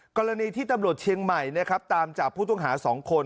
กรณีที่ตำรวจเชียงใหม่นะครับตามจับผู้ต้องหา๒คน